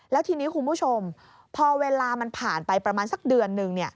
แล้วทีนี้คุณผู้ชมพอเวลามันผ่านไปประมาณสักเดือนนึง